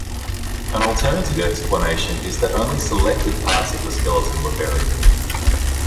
An alternative explanation is that only selected parts of the skeleton were buried.